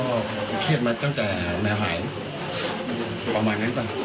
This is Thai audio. ไม่ใช่มีวิจินาโนคาร์